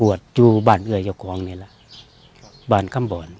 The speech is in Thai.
บวชอยู่บ้านเอื้อยกองนี่ล่ะบ้านข้ามบวช